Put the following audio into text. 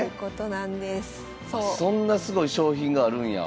そんなすごい賞品があるんや。